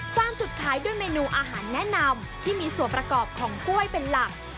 จุดขายด้วยเมนูอาหารแนะนำที่มีส่วนประกอบของกล้วยเป็นหลัก